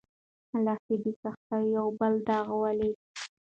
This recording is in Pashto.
لښتې د سختیو یو بل داغ ولید.